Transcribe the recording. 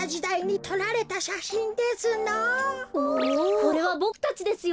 これはボクたちですよ。